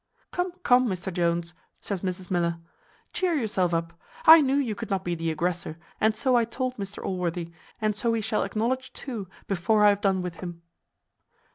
"Come, come, Mr Jones," says Mrs Miller, "chear yourself up. I knew you could not be the aggressor, and so I told Mr Allworthy, and so he shall acknowledge too, before I have done with him."